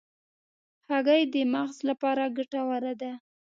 هګۍ د مغز لپاره ګټوره ده.